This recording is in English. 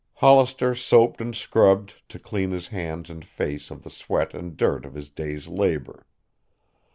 Hollister soaped and scrubbed to clean his hands and face of the sweat and dirt of his day's labor.